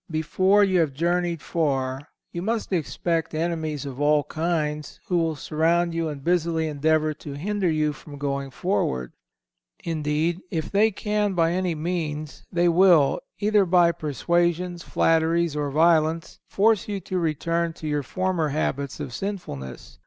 Before you have journeyed far, you must expect enemies of all kinds, who will surround you and busily endeavour to hinder you from going forward. Indeed, if they can by any means, they will, either by persuasions, flatteries, or violence, force you to return to your former habits of sinfulness.